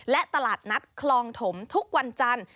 และตลาดนัดคลองถมทุกวันจันทร์